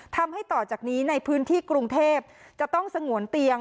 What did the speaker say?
ทำให้ต่อจากนี้ในพื้นที่กรุงเทพจะต้องสงวนเตียง